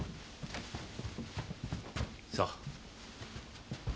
さあ。